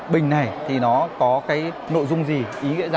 mình muốn tự đi hơn